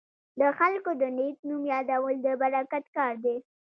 د خلکو د نیک نوم یادول د برکت کار دی.